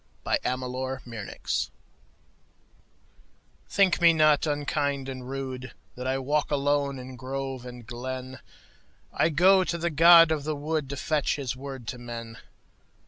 The Apology THINK me not unkind and rudeThat I walk alone in grove and glen;I go to the god of the woodTo fetch his word to men.